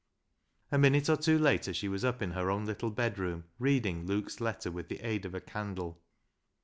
A minute or two later she was up in her own little bedroom, reading Luke's letter with the aid of a candle.